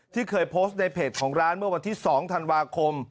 เคยโพสต์ในเพจของร้านเมื่อวันที่๒ธันวาคม